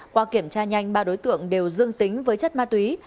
qua kiểm tra nhanh ba đối tượng đều dương tính với chất ma túy